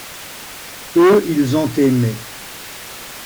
Eux, ils ont aimé.